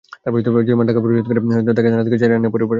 জরিমানার টাকা পরিশোধ করে পরে তাঁকে থানা থেকে ছাড়িয়ে আনে পরিবার।